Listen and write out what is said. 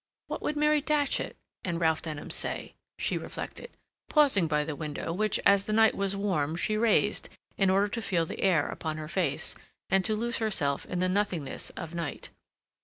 "What would Mary Datchet and Ralph Denham say?" she reflected, pausing by the window, which, as the night was warm, she raised, in order to feel the air upon her face, and to lose herself in the nothingness of night.